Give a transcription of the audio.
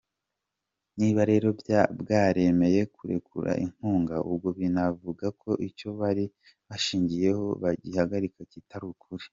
Niba rero bwaremeye kurekura inkunga, ubwo binavuga ko icyo bari bashingiyeho bayihagarika kitari ukuri.